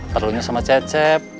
perlunya sama cecep